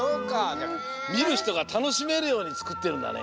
じゃあみるひとがたのしめるようにつくってるんだね。